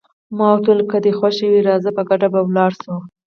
ما ورته وویل: که دې خوښه وي راځه، په ګډه به ولاړ شو.